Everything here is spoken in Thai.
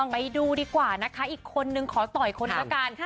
ไปดูดีกว่าอีกคนนึงขอต่อยคนพวกกัน